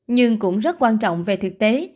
nhưng cũng rất quan trọng về thực tế